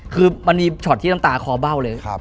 คือมันมีช็อตที่น้ำตาคอเบ้าเลย